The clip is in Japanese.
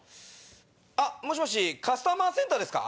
あっもしもしカスタマーセンターですか？